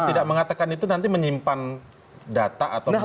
kalau tidak mengatakan itu nanti menyimpan data atau menyimpan